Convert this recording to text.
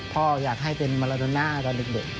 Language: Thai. พ่ออยากให้เป็นมาลาโดน่าตอนเด็ก